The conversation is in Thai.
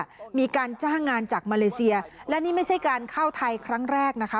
มีการจ้างงานจากมาเลเซียและนี่ไม่ใช่การเข้าไทยครั้งแรกนะคะ